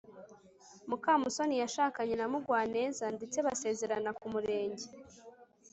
mukamusoni yashakanye na mugwaneza, ndetse basezerana k'umurenge